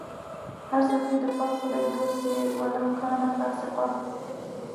هر سخي د پاک خدای دوست دئ ولو کانَ فاسِقا